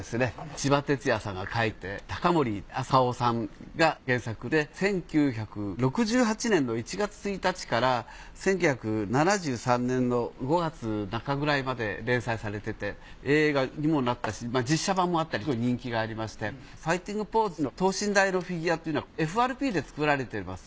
ちばてつやさんが描いて高森朝雄さんが原作で１９６８年の１月１日から１９７３年の５月中くらいまで連載されてて映画にもなったし実写版もあったりすごい人気がありましてファイティングポーズの等身大のフィギュアっていうのはＦＲＰで作られてます。